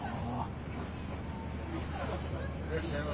いらっしゃいませ。